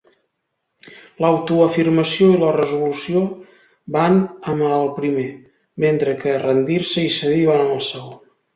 L'autoafirmació i la resolució van amb el primer, mentre que rendir-se i cedir van amb el segon.